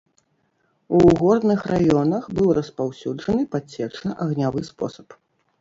У горных раёнах быў распаўсюджаны падсечна-агнявы спосаб.